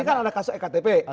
ini kan ada kasus ektp